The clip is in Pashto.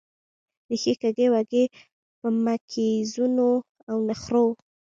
ریښې کږې وږې په مکیزونو او نخرو